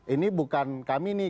ini bukan kami nih